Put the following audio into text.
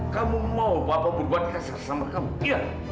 kamu mau bapak berbuat keser sama kamu iya